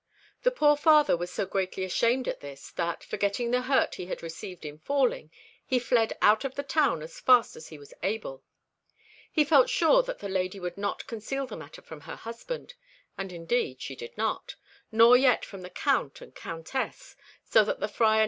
The poor father was so greatly ashamed at this, that, forgetting the hurt he had received in falling, he fled out of the town as fast as he was able. He felt sure that the lady would not conceal the matter from her husband; and indeed she did not, nor yet from the Count and Countess, so that the Friar never again durst come into their presence.